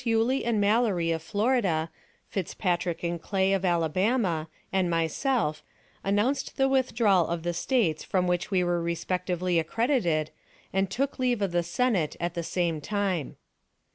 Yulee and Mallory, of Florida, Fitzpatrick and Clay, of Alabama, and myself, announced the withdrawal of the States from which we were respectively accredited, and took leave of the Senate at the same time.